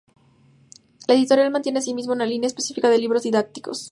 La editorial mantiene, asimismo, una línea específica de libros didácticos.